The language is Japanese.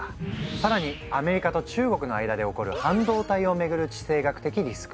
さらにアメリカと中国の間で起こる「半導体」を巡る地政学的リスク。